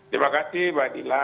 terima kasih pak dila